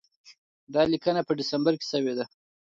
دا لیکنه په ډسمبر کې شوې ده.